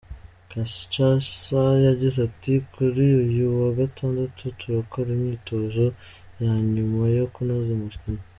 Casa yagize ati " Kuri uyu wa Gatandatu turakora imyitozo ya nyuma yo kunoza umukino.